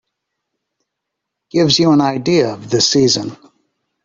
Gives you an idea of the season.